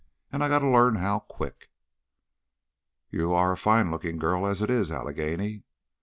And I gotta learn how, quick." "You are a fine looking girl as it is, Allegheny."